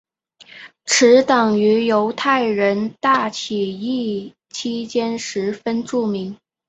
此党于犹太人大起义期间十分著名。